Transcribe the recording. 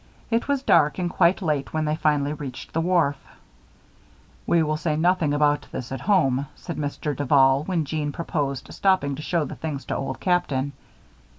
It was dark and quite late when they finally reached the wharf. "We will say nothing about this at home," said Mr. Duval, when Jeanne proposed stopping to show the things to Old Captain.